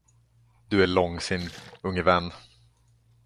Du är långsint, unge vän!